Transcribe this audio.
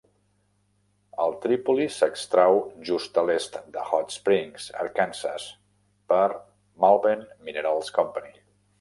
El tripoli s'extrau just a l'est de Hot Springs, Arkansas, per Malvern Minerals Company.